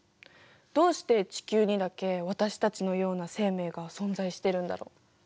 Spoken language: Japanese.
どうして地球にだけ私たちのような生命が存在してるんだろう。